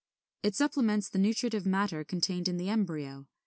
It supplements the nutritive matter contained in the embryo.